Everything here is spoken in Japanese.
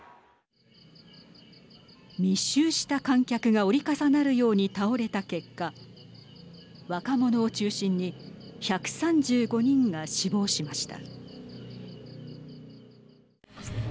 密集した観客が折り重なるように倒れた結果若者を中心に１３５人が死亡しました。